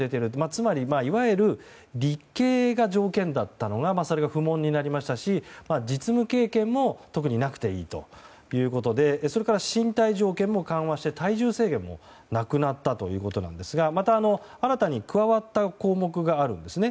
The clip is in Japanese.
つまり、いわゆる理系が条件だったのがそれが不問になりましたし実務経験も特になくていいということでそれから、身体条件も緩和して体重制限もなくなったということなんですがまた、新たに加わった項目があるんですね。